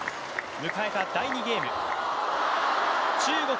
迎えた第２ゲーム。